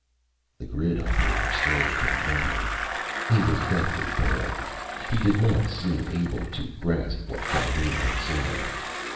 The grid operator stared at him numbly. He was deathly pale. He did not seem able to grasp what Calhoun had said.